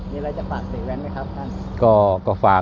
นี่เราจะฝากเสร็จแว้นไหมครับท่าน